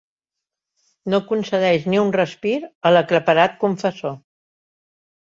No concedeix ni un respir a l'aclaparat confessor.